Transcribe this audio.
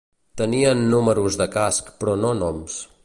Tenien números de casc, però no noms.